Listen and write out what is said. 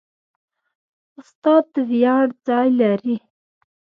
استاد د ویاړ ځای لري.